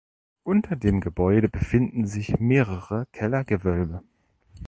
Unter dem Gebäude befinden sich mehrere Kellergewölbe.